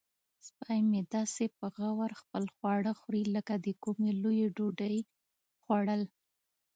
سپی مې داسې په غور خپل خواړه خوري لکه د کومې لویې ډوډۍ خوړل.